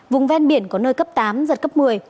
vùng ven biển có nơi cấp tám giật cấp một mươi